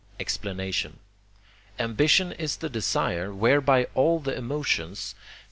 Explanation Ambition is the desire, whereby all the emotions (cf.